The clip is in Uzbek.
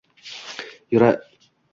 Yuragimning ich-ichida hujram manim